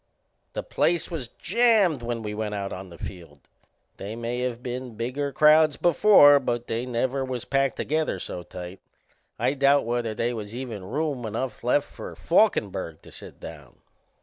The place was jammed when we went out on the field. They may of been bigger crowds before, but they never was packed together so tight. I doubt whether they was even room enough left for Falkenberg to sit down.